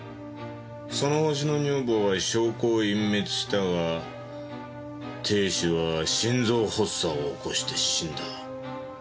そのホシの女房は証拠を隠滅したが亭主は心臓発作を起こして死んだ。